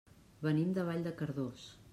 Venim de Vall de Cardós.